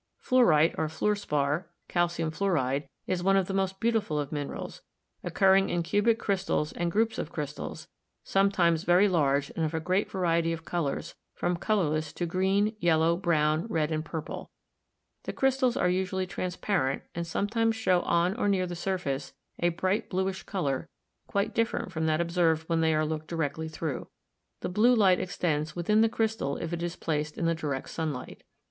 Fluorite, or Fluor Spar, Calcium Fluoride, is one of the most beautiful of minerals, occurring in cubic crystals and groups of crystals, sometimes very large and of a great variety of colors, from colorless to green, yellow, brown, red and purple. The crystals are usually transparent, and sometimes show on or near the surface a bright bluish color quite different from that observed when they are looked directly through. The blue light extends within the crystal if it is placed in the direct sunlight.